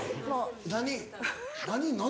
何？